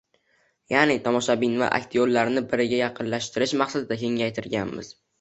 ya’ni tomoshabin va aktyorlarni bir-biriga yaqinlashtirish maqsadida kengaytirganmiz.